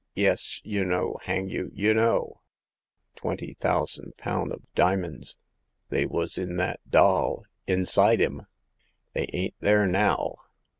" Yes ! Y* know, hang you, y' know ! Twenty thousan' poun' of dimins ! They was in that doll — inside 'im. They ain't there now